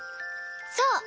そう！